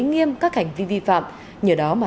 nghiêm các hành vi vi phạm nhờ đó mà